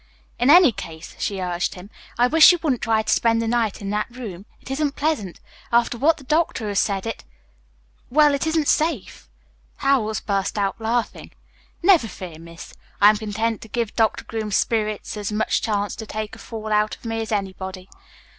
"In any case," she urged him, "I wish you wouldn't try to spend the night in that room. It isn't pleasant. After what the doctor has said, it well, it isn't safe." Howells burst out laughing. "Never fear, Miss. I'm content to give Doctor Groom's spirits as much chance to take a fall out of me as anybody.